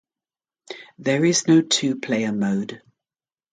There is no two player mode.